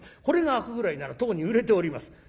『これが開くぐらいならとうに売れております』。